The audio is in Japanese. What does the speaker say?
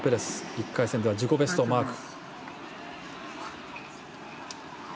１回戦では自己ベストをマーク。